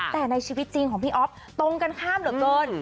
แต่ในชีวิตจริงของพี่อ๊อฟตรงกันข้ามเหลือเกิน